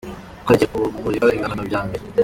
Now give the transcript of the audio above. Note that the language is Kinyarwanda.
Korari igiye kumurika ibihangano bya mbere